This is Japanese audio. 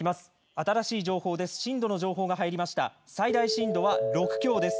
新しい情報です。